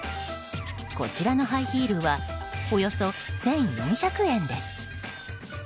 こちらのハイヒールはおよそ１４００円です。